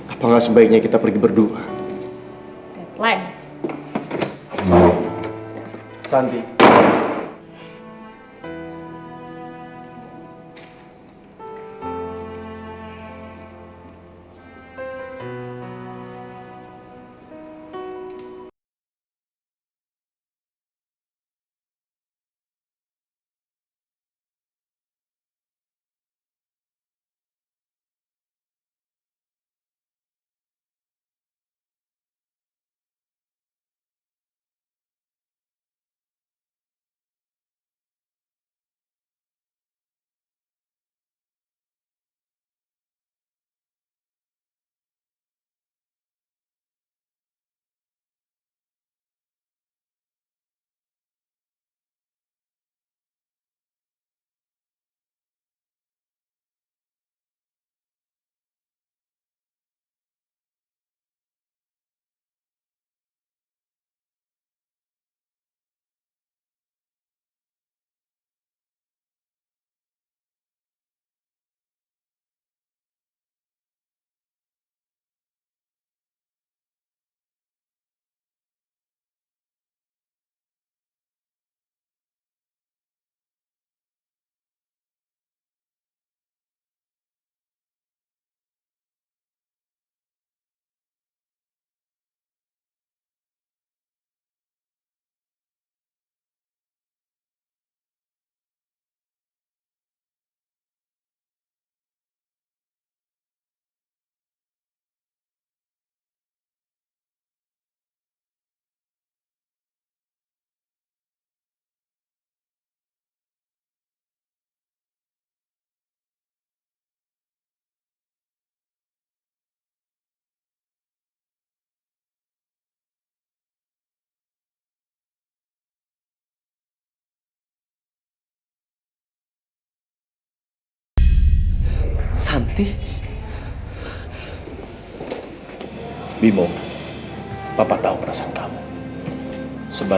apakah sebaiknya kita pergi berdua